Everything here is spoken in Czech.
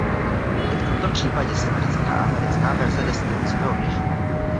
I v tomto případě se britská a americká verze desky od sebe odlišují.